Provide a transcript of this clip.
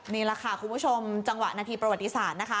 นี่แหละค่ะคุณผู้ชมจังหวะนาทีประวัติศาสตร์นะคะ